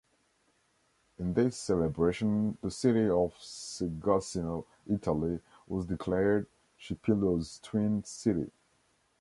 In this celebration the city of Segusino, Italy, was declared Chipilo's Twin city.